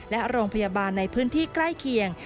และโรงพยาบาลในพื้นที่ใกล้เคียง